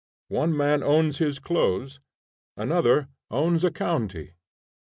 One man owns his clothes, and another owns a county.